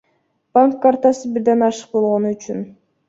Банк картасы бирден ашык болгону үчүн.